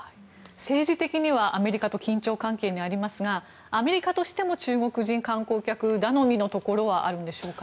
政治的にはアメリカと緊張関係にありますがアメリカとしても中国人観光客頼みのところはあるんでしょうか。